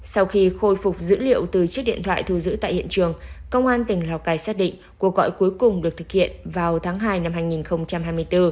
sau khi khôi phục dữ liệu từ chiếc điện thoại thu giữ tại hiện trường công an tỉnh lào cai xác định cuộc gọi cuối cùng được thực hiện vào tháng hai năm hai nghìn hai mươi bốn